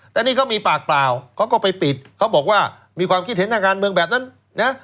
แต่นี่เขามีปากเปล่าเขาก็ไปปิดเขาบอกว่ามีความคิดเห็นทางการเมืองแบบนั้นนะ